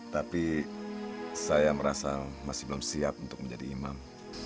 tapi saya merasa masih belum siap untuk menjadi imam